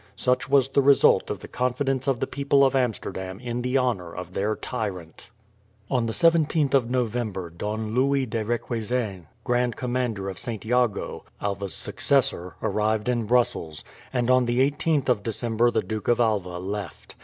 Such was the result of the confidence of the people of Amsterdam in the honour of their tyrant. On the 17th of November Don Louis de Requesens, Grand Commander of St. Jago, Alva's successor, arrived in Brussels; and on the 18th of December the Duke of Alva left.